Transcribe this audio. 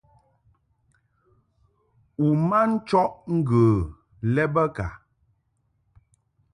U ma nchɔʼ ŋgə lɛ bə ka ?